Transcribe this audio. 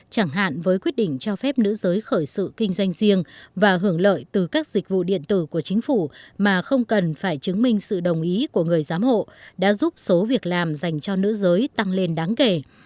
chẳng hạn với quyết định cho phép nữ giới khởi sự kinh doanh riêng và hưởng lợi từ các dịch vụ điện tử của chính phủ mà không cần phải chứng minh sự đồng ý của người giám hộ đã giúp số việc làm dành cho nữ giới tăng lên đáng kể